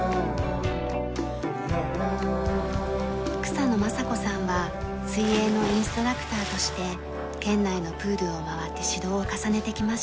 草野晶子さんは水泳のインストラクターとして県内のプールを回って指導を重ねてきました。